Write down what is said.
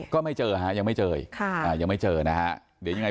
ก็ไม่เจอฮะยังไม่เจออีกค่ะอ่ายังไม่เจอนะฮะเดี๋ยวยังไง